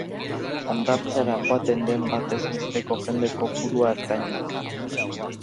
Hondartzara joaten den batez besteko jende kopurua ertaina da.